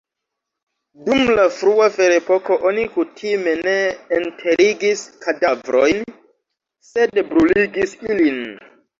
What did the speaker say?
Dum la frua ferepoko oni kutime ne enterigis kadavrojn, sed bruligis ilin.